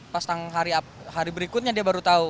pas hari berikutnya dia baru tahu